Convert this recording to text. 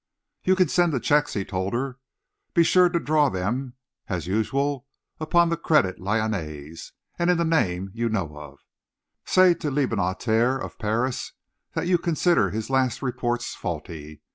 "You can send the checks," he told her. "Be sure that you draw them, as usual, upon the Credit Lyonaise and in the name you know of. Say to Lebonaitre of Paris that you consider his last reports faulty.